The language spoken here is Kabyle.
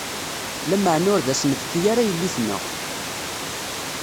-Lameɛna ur d as-nefki ara yelli-tneɣ.